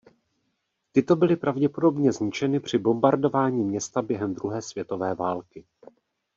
Tyto byly pravděpodobně zničeny při bombardování města během druhé světové války.